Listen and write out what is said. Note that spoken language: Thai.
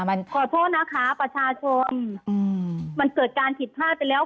มันขอโทษนะคะประชาชนอืมมันเกิดการผิดพลาดไปแล้ว